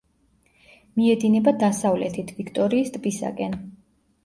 მიედინება დასავლეთით ვიქტორიის ტბისაკენ.